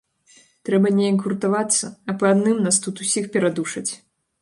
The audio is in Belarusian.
Трэба неяк гуртавацца, а па адным нас тут усіх перадушаць.